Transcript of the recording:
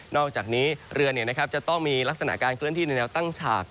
อกจากนี้เรือจะต้องมีลักษณะการเคลื่อนที่ในแนวตั้งฉาก